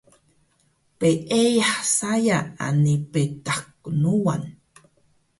peeyah saya ani betaq knuwan